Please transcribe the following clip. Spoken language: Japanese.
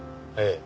ええ。